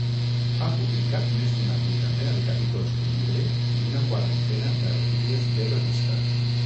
Ha publicat més d'una vuitantena de capítols de llibre i una quarantena d'articles de revista.